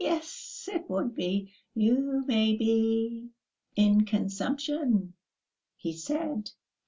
"Yes, it would be! 'You may be in consumption," he said.